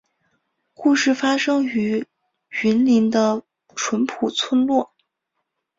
故事发生于云林的纯朴村落